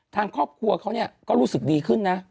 ทางครอบครัวเขาก็รู้สึกดีขึ้นนะ